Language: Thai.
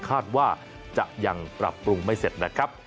คาดว่าจะยังปรับปรุงไม่เสร็จนะครับ